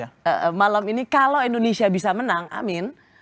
jadi malam ini kalau indonesia bisa menang amin